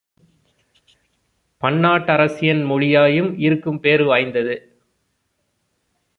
பன்னாட்டரசியன் மொழியாயும், இருக்கும் பேறு வாய்ந்தது.